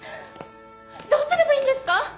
どうすればいいんですか？